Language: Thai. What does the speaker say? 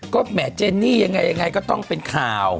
ก็แหมเจนนี่ยังไงก็ต้องเป็นข่าว